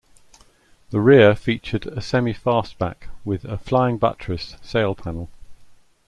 The rear featured a semifastback with a "flying buttress" sail-panel.